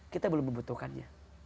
kita belum membutuhkannya